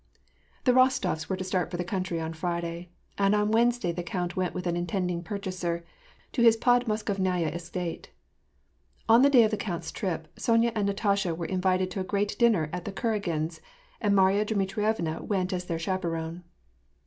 The Rostof s were to start for the country on Friday, and on Wednesday the count went with an intending purchaser to his Pod Moskovnaya estate. On the day of the count's trip, Sonya and Natasha were in vited to a great dinner at the Kuragins, and Marya Dmitrievna went as their chaperone.